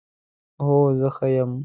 هو، زه ښه یم